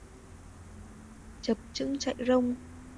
Chập chững chạy rông